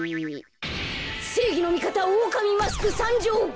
せいぎのみかたオオカミマスクさんじょう。